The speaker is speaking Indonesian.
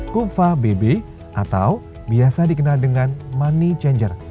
cova bb atau biasa dikenal dengan money changer